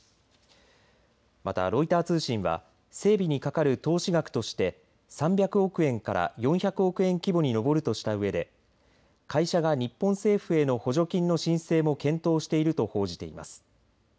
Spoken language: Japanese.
また、ロイター通信は整備にかかる投資額として３００億円から４００億円規模に上るとしたうえで会社が日本政府への補助金の申請も検討していると報じています。